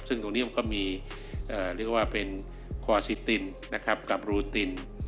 ซึ่งตรงนี้มันก็มีเรียกว่าเป็นคอซิตินนะครับกับรูติน